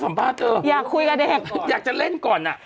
มั้ยให้ฉันเล่นก่อน